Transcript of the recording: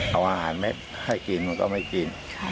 เอาอาหารให้กินมันก็ไม่กิน